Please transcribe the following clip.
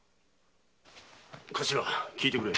頭聞いてくれ。